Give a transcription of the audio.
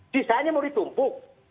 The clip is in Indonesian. sisanya mau ditumpuk